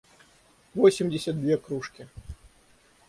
восемьдесят две кружки